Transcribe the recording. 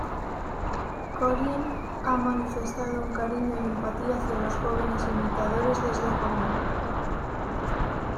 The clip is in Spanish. Korine ha manifestado un cariño y empatía hacia los imitadores desde joven.